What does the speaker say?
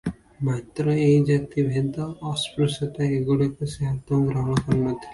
ମାତ୍ର ଏ ଜାତି ଭେଦ- ଅସ୍ପୃଶ୍ୟତା ଏ ଗୁଡ଼ାକୁ ସେ ଆଦୌ ଗ୍ରହଣ କରୁ ନ ଥିଲେ ।